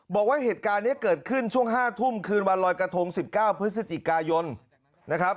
บอกว่าเหตุการณ์นี้เกิดขึ้นช่วง๕ทุ่มคืนวันลอยกระทง๑๙พฤศจิกายนนะครับ